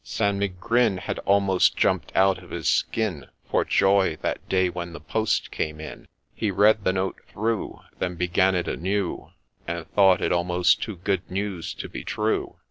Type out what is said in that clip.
St. Megrin had almost jumped out of his skin For joy that day when the post came in ; He read the note through, Then began it anew, And thought it almost too good news to be true.